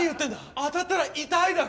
当たったら痛いだろ？